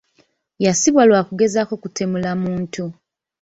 Yasibwa lwa kugezaako kutemula muntu.